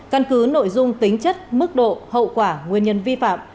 căn cứ nội dung tính chất mức độ hậu quả nguyên nhân vi phạm